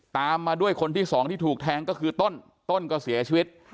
ตามมาด้วยคนที่สองที่ถูกแทงก็คือต้นต้นก็เสียชีวิต